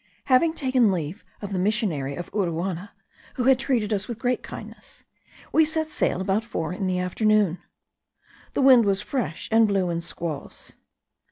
Having taken leave of the missionary of Uruana, who had treated us with great kindness, we set sail about four in the afternoon. The wind was fresh, and blew in squalls.